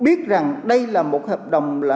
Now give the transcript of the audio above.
họ biết rằng đây là một hợp đồng